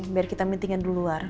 biar kita meetingan di luar